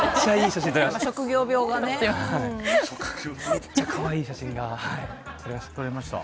めっちゃかわいい写真がはい・撮れました？